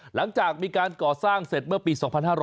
หลังจากมีการก่อสร้างเสร็จเมื่อปี๒๕๕๙